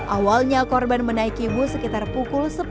awalnya korban menaiki bus sekitar pukul sepuluh